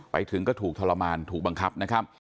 ไปถึงก็ถูกทรมานถูกบังคับนะครับ